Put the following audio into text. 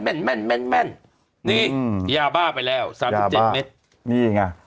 แม่นแม่นแม่นนี่ยาบ้าไปแล้วสามสิบเจ็ดเม็ดนี่ไง